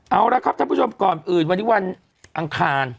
เอาละครับท่านผู้ชมก่อนอื่นวันนี้วันอังคาร